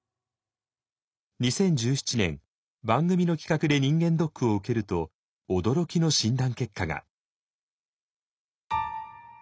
２０１７年番組の企画で人間ドックを受けると驚きの診断結果が。